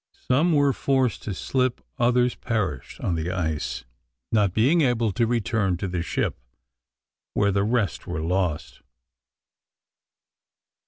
Some were forced to slip; others perished on the ice, not being able to return to the ship, where the rest were lost.